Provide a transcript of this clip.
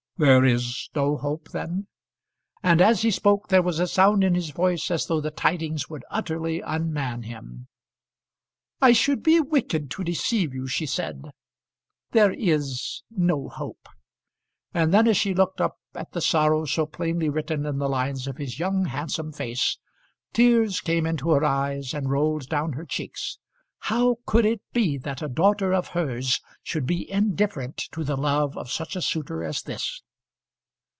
"There is no hope then?" And as he spoke there was a sound in his voice as though the tidings would utterly unman him. "I should be wicked to deceive you," she said. "There is no hope." And then as she looked up at the sorrow so plainly written in the lines of his young, handsome face, tears came into her eyes and rolled down her cheeks. How could it be that a daughter of hers should be indifferent to the love of such a suitor as this?